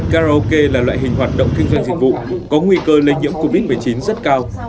karaoke là loại hình hoạt động kinh doanh dịch vụ có nguy cơ lây nhiễm covid một mươi chín rất cao